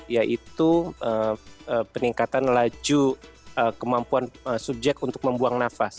yaitu peningkatan laju kemampuan subjek untuk membuang nafas